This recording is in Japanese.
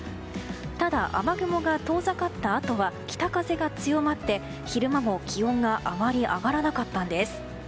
ただ、雨雲が遠ざかったあとは北風が強まって昼間も気温があまり上がらなかったんです。